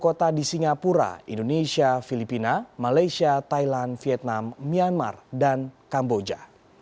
kota di singapura indonesia filipina malaysia thailand vietnam myanmar dan kamboja